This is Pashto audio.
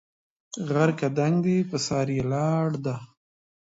غر که دنګ دی په سر یې لار ده